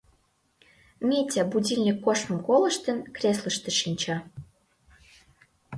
Митя, будильник коштмым колыштын, креслыште шинча.